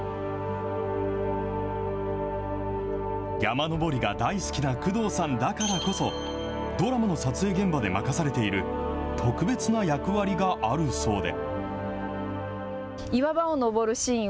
山登りが大好きな工藤さんだからこそ、ドラマの撮影現場で任されている特別な役割があるそうで。